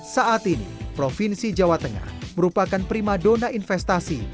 saat ini provinsi jawa tengah merupakan prima dona investasi